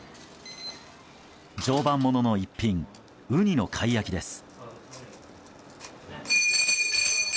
常磐ものの逸品ウニの貝焼きです。